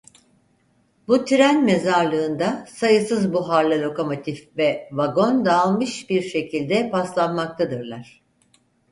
Bu "tren mezarlığında" sayısız buharlı lokomotif ve vagon dağılmış bir şekilde paslanmaktadırlar.